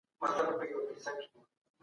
د ټولني غړي ځانګړې دندې لري.